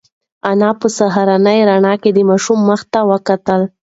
انا په سهارنۍ رڼا کې د ماشوم مخ ته وکتل.